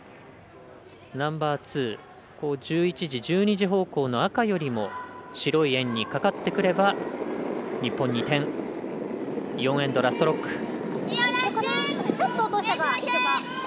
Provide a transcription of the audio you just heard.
ナンバーツー１１時、１２時方向の赤よりも白い円にかかってくれば日本２点、４エンドラストロック。